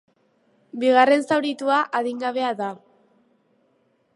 Bigarren zauritua adingabea da.